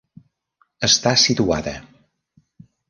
Està situada.